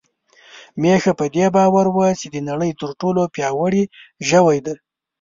میښه په دې باور وه چې د نړۍ تر ټولو پياوړې ژوی ده.